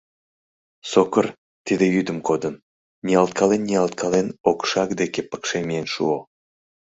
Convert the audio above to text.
Сокыр, тиде йӱдым кодын, ниялткален-ниялткален, окшак деке пыкше миен шуо.